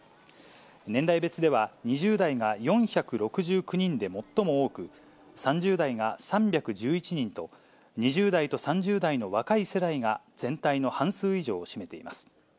年代別では２０代が４６９人で最も多く、３０代が３１１人と、２０代と３０代の若い世代が全体の半数以上を占めています。